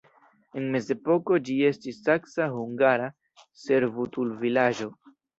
En mezepoko ĝi estis saksa-hungara servutulvilaĝo.